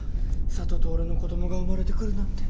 佐都と俺の子供が生まれてくるなんて。